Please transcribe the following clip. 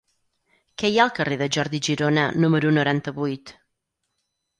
Què hi ha al carrer de Jordi Girona número noranta-vuit?